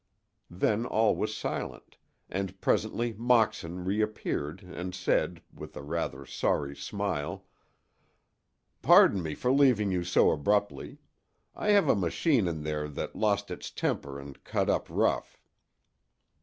Then all was silent, and presently Moxon reappeared and said, with a rather sorry smile: "Pardon me for leaving you so abruptly. I have a machine in there that lost its temper and cut up rough."